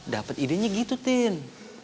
dapet idenya gitu tin